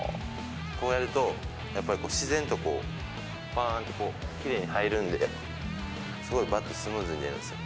こうやると、やっぱり自然とこう、ぱーんってきれいに入るんで、すごいバットがスムーズに出るんですよ。